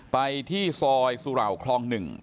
ไปที่ซอยสุราวคลอง๑